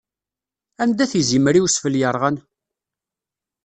anda-t izimer i wesfel yerɣan?